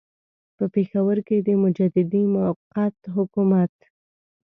په پېښور کې د مجددي موقت حکومت.